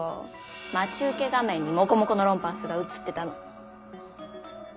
待ち受け画面にモコモコのロンパースが写ってたの。